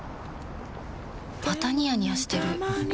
またニヤニヤしてるふふ。